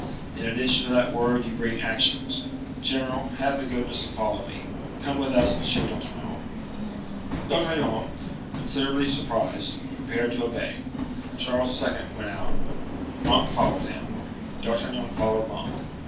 In addition to that word you bring actions. General, have the goodness to follow me. Come with us, M. d'Artagnan." D'Artagnan, considerably surprised, prepared to obey. Charles II. went out, Monk followed him, D'Artagnan followed Monk.